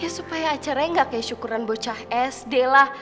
supaya acaranya gak kayak syukuran bocah sd lah